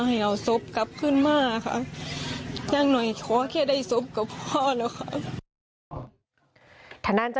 และก็เขายีดแล้ว